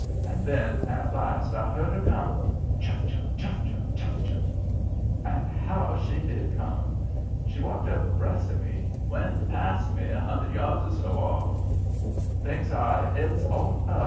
And then at last I heard her coming CHUFF chuff! CHUFF chuff! CHUFF chuff! "And HOW she did come! She walked up abreast of me, went past me, a hundred yards or so off. Thinks I: 'It's all up.